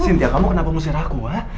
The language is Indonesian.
sintia kamu kenapa ngusir aku